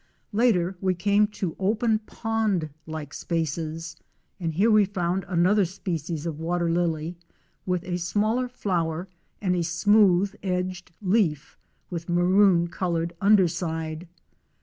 Later we came to open pond like spaces and here we found another species of water lily with a smaller flower and a smooth edged leaf with maroon colored under side.